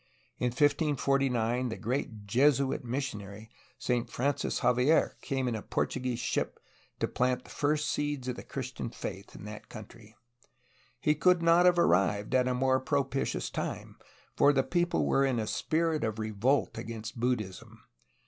In 1549 the great Jesuit missionary Saint Francis Xavier came in a Portuguese ship to plant the first seeds of the Christian faith in that country. He could not have ar rived at a more propitious time, for the people were in a spirit of revolt against Buddhism.